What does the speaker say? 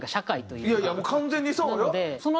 いやいや完全にそうよ。